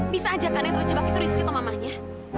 bisa ajak kan yang terjebak itu disikir ke mamanya